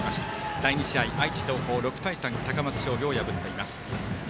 第二試合、愛知東邦が高松商業を破っています。